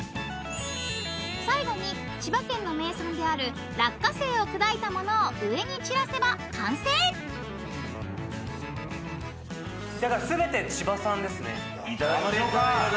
［最後に千葉県の名産である落花生を砕いたものを上に散らせば完成］いただきましょうか。